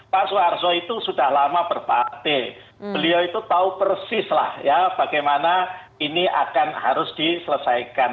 pak suharto itu sudah lama berparti beliau itu tahu persis lah ya bagaimana ini akan harus diselesaikan